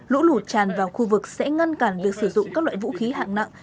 lũ lụt tràn vào khu vực sẽ ngăn cản việc sử dụng các loại vũ khí hạng nặng